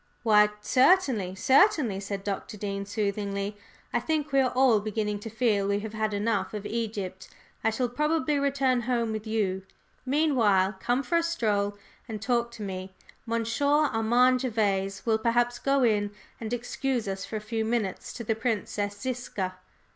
"Why, certainly, certainly!" said Dr. Dean, soothingly. "I think we are all beginning to feel we have had enough of Egypt. I shall probably return home with you. Meanwhile, come for a stroll and talk to me; Monsieur Armand Gervase will perhaps go in and excuse us for a few minutes to the Princess Ziska."